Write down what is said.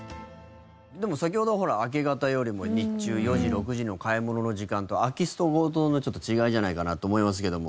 でも先ほどはほら明け方よりも日中４時６時の買い物の時間と空き巣と強盗の違いじゃないかなと思いますけども。